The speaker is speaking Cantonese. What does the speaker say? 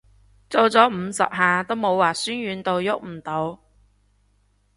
做咗五十下都冇話痠軟到郁唔到